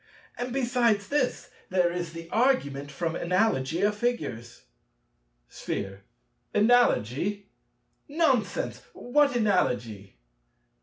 And besides this, there is the Argument from Analogy of Figures. Sphere. Analogy! Nonsense: what analogy?